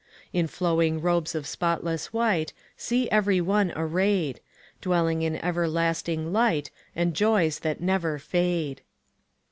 In flowing robes of spotless white, See every one arrayed, Dwelling in everlasting light, And joys that never fade.